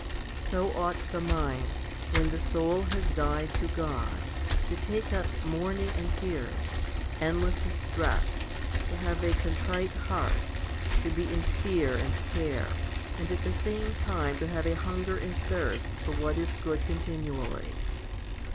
So ought the mind, when the soul has died to God, to take up mourning and tears, endless distress, to have a contrite heart, to be in fear and care, and at the same time to have a hunger and thirst for what is good continually.